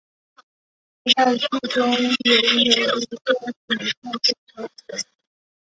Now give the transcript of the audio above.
她在剧中拥有一个潜在追求者。